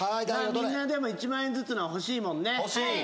みんな１万円ずつのは欲しいもんね欲しい！